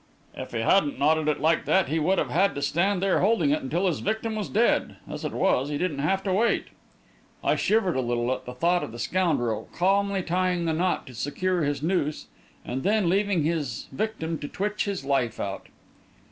"If he hadn't knotted it like that he would have had to stand there holding it until his victim was dead. As it was, he didn't have to wait." I shivered a little at the thought of the scoundrel calmly tying the knot to secure his noose, and then leaving his victim to twitch his life out.